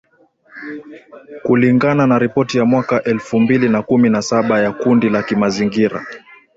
kulingana na ripoti ya mwaka elfu mbili na kumi na saba ya kundi la kimazingira